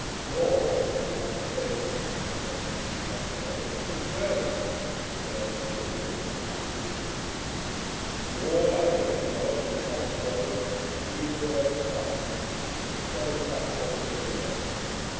Nor, I was told by a clergyman of my acquaintance the other day, to pray (but that is still hoped for them, I believe). The war, like everything else, will come and go and leave them where it found them the solid backbone of the world.